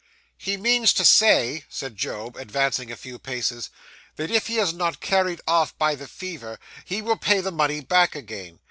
'He means to say,' said Job, advancing a few paces, 'that if he is not carried off by the fever, he will pay the money back again.